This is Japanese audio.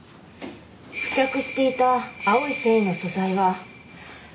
付着していた青い繊維の素材はシルクですね。